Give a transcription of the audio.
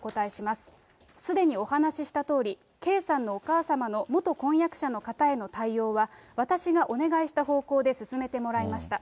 すでにお話ししたとおり、圭さんのお母様の元婚約者の方への対応は、私がお願いした方向で進めてもらいました。